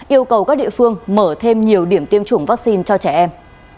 yêu cầu các địa phương mở thêm nhiều điểm tiêm chủng vaccine cho trẻ em